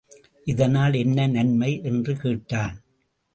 இதனால் என்ன நன்மை? என்று கேட்டான்.